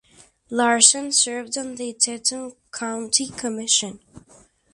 Larson served on the Teton County Commission.